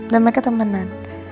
dan mereka temenan